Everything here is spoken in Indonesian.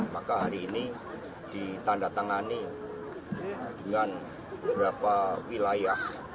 maka hari ini ditandatangani dengan beberapa wilayah